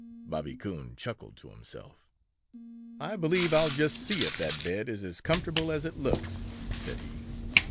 Bobby Coon chuckled to himself. "I believe I'll just see if that bed is as comfortable as it looks," said he.